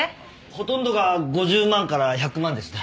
ほとんどが５０万から１００万ですね。